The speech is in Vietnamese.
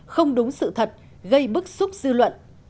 không đúng sự thật gây bức xúc dư luận